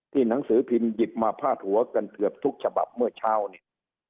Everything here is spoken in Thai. หนังสือพิมพ์หยิบมาพาดหัวกันเกือบทุกฉบับเมื่อเช้าเนี่ย